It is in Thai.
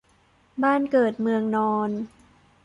บ้านเกิดเมืองนอน